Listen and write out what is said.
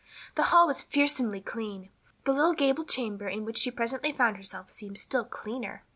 The hall was fearsomely clean; the little gable chamber in which she presently found herself seemed still cleaner.